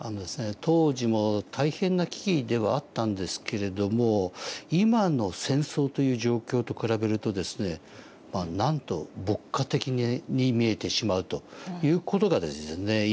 当時も大変な危機ではあったんですけれども今の戦争という状況と比べるとですねなんと牧歌的に見えてしまうという事がですね